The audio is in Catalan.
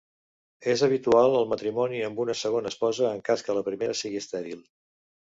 És habitual el matrimoni amb una segona esposa en cas que la primera sigui estèril.